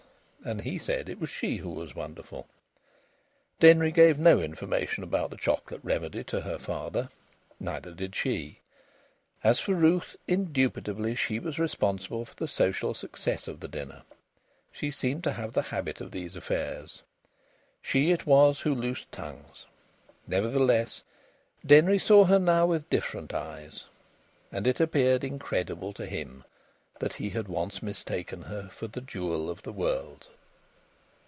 And he said it was she who was wonderful. Denry gave no information about the Chocolate Remedy to her father. Neither did she. As for Ruth, indubitably she was responsible for the social success of the dinner. She seemed to have the habit of these affairs. She it was who loosed tongues. Nevertheless, Denry saw her now with different eyes, and it appeared incredible to him that he had once mistaken her for the jewel of the world.